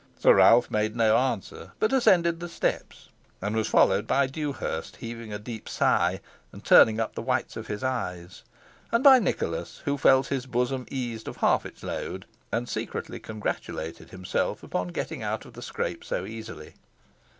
Sir Ralph made no answer, but ascended the steps, and was followed by Dewhurst, heaving a deep sigh, and turning up the whites of his eyes, and by Nicholas, who felt his bosom eased of half its load, and secretly congratulated himself upon getting out of the scrape so easily.